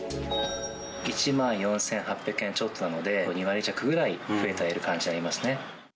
１万４８００円ちょっとなので、２割弱ぐらい増えている感じ